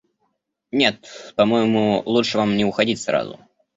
Нет, по-моему лучше вам не уходить сразу.